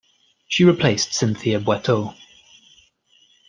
She replaced Cynthia Bioteau.